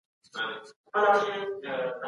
که شعور وي، نو د ټولني عظمت به بيا راسي.